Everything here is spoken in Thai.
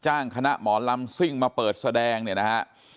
คณะหมอลำซิ่งมาเปิดแสดงเนี่ยนะฮะ